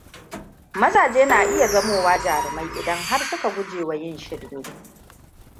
Mazaje na iya zamowa jarumai idan har suka gujewa yin shirme.